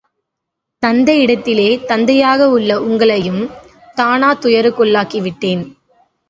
தந்தை இடத்திலே தந்தையாக உள்ள உங்களையும் தானாத் துயருக்குள்ளாக்கிவிட்டேன்.